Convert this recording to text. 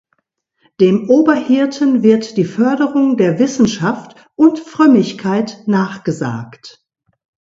Dem Oberhirten wird die Förderung der Wissenschaft und Frömmigkeit nachgesagt.